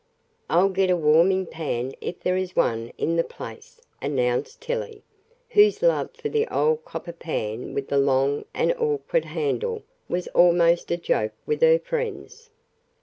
"I'll get a warming pan if there is one in the place," announced Tillie, whose love for the old copper pan with the long and awkward handle was almost a joke with her friends.